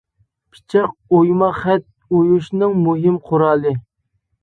پىچاق ئويما خەت ئويۇشنىڭ مۇھىم قورالى.